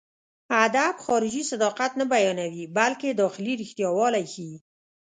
ادب خارجي صداقت نه بيانوي، بلکې داخلي رښتياوالی ښيي.